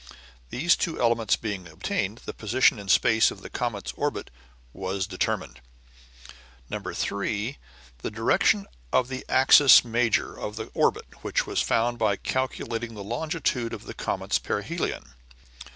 These two elements being obtained, the position in space of the comet's orbit was determined. 3. The direction of the axis major of the orbit, which was found by calculating the longitude of the comet's perihelion.